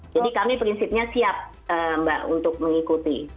jadi kami prinsipnya siap mbak untuk mengikuti